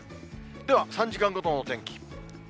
では、３時間ごとの天気。